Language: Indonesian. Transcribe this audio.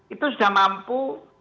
itu sudah mampu